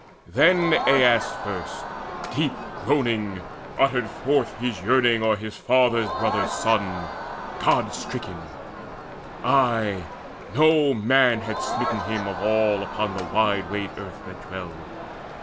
Then Aias first, deep groaning, uttered forth His yearning o'er his father's brother's son God stricken ay, no man had smitten him Of all upon the wide wayed earth that dwell!